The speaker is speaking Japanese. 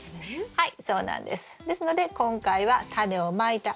はい。